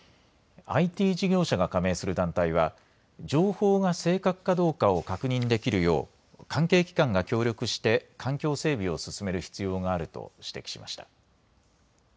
ＩＴ事業者が加盟する団体は情報が正確かどうかを確認できるよう関係機関が協力して環境整備を進める必要があると指摘しました。